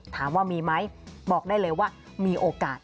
ถามว่ามีไหมบอกได้เลยว่ามีโอกาส